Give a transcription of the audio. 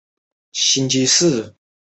县治乔治敦。